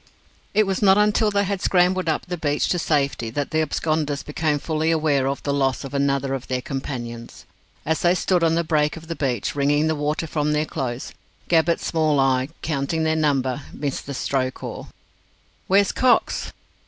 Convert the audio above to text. It was not until they had scrambled up the beach to safety that the absconders became fully aware of the loss of another of their companions. As they stood on the break of the beach, wringing the water from their clothes, Gabbett's small eye, counting their number, missed the stroke oar. "Where's Cox?"